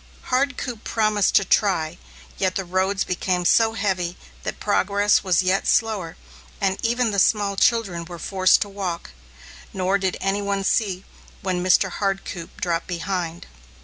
Hardcoop promised to try, yet the roads became so heavy that progress was yet slower and even the small children were forced to walk, nor did any one see when Mr. Hardcoop dropped behind.